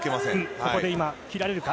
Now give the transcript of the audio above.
ここで今、切られるか。